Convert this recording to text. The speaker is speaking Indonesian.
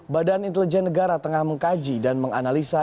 badan intelijen negara tengah mengkaji dan menganalisa